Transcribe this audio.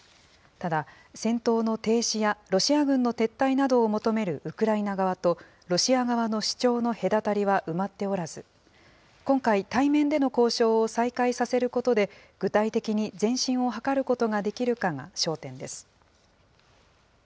ただ戦闘の停止や、ロシア軍の撤退などを求めるウクライナ側と、ロシア側の主張の隔たりは埋まっておらず、今回、対面での交渉を再開させることで、具体的に前進を図ることができるかが焦点です。